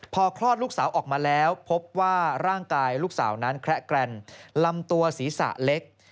พอคลอดลูกสาวออกมาแล้วพบว่าร่างกายลูกสาวนั้นแคละแกรนลำตัวศีรษะเล็ก